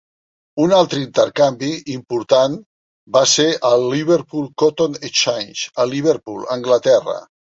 Un altre intercanvi important va ser el Liverpool Cotton Exchange a Liverpool, Anglaterra.